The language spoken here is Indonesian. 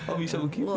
oh bisa begitu ya